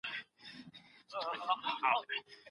ابن خلدون په دې اړه ډیر بحث کړی دی.